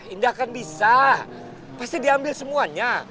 indah kan bisa pasti diambil semuanya